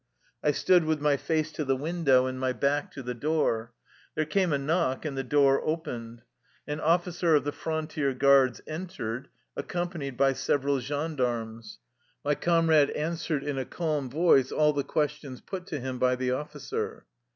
I stood with my face to the window and my back to the door. There came a knock, and the door opened. An offlcer of the frontier guards entered, accom panied by several gendarmes. My comrade an swered in a calm voice all the questions put to him by the officer.